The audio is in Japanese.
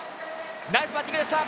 ナイスバッティングでした！